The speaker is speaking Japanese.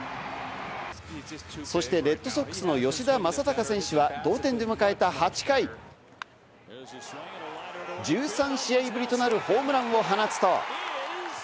そしてレッドソックスの吉田正尚選手は同点で迎えた８回、１３試合ぶりとなるホームランを放つと。